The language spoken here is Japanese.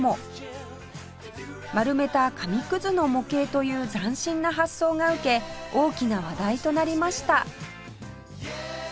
丸めた紙くずの模型という斬新な発想が受け大きな話題となりました